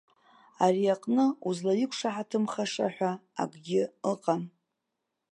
Ари аҟны узлаиқәшаҳаҭымхаша ҳәа акгьы ыҟам.